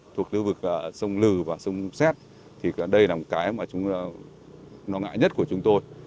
thuộc lưu vực sông lừ và sông xét thì đây là một cái mà chúng nó ngại nhất của chúng tôi